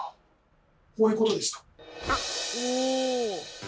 こういうことですか？